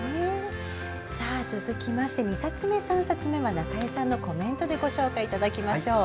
続きまして２冊目と３冊目は中江さんのコメントでご紹介いただきます。